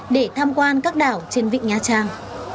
để tham quan các đảo trên vịnh nha trang